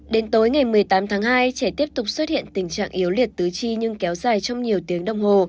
đến tối ngày một mươi tám tháng hai trẻ tiếp tục xuất hiện tình trạng yếu liệt tứ chi nhưng kéo dài trong nhiều tiếng đồng hồ